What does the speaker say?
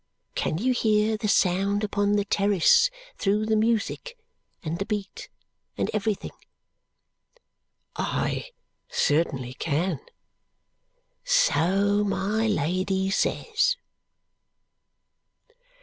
Can you hear the sound upon the terrace, through the music, and the beat, and everything?" "I certainly can!" "So my Lady says."